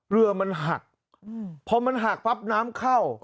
เรือมันหักพอมันหักปั๊บน้ำเข้า